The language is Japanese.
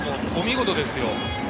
お見事ですよ。